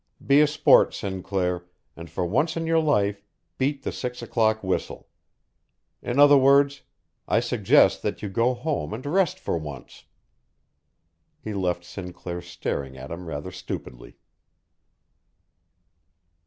Be a sport, Sinclair, and for once in your life beat the six o'clock whistle. In other words, I suggest that you go home and rest for once." He left Sinclair staring at him rather stupidly.